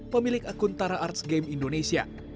pemilik akun tara arts game indonesia